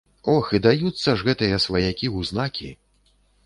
Ох, і даюцца ж гэтыя сваякі ў знакі.